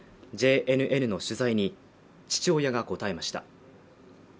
ＪＮＮの取材に父親が応えました。